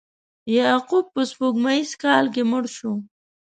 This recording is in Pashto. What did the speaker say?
یعقوب په سپوږمیز کال کې مړ شو.